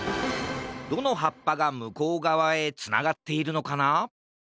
どのはっぱがむこうがわへつながっているのかな？